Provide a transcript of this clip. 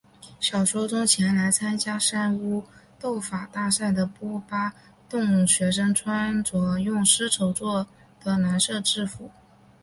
小说中前来参加三巫斗法大赛的波巴洞学生穿着用丝绸作的蓝色制服。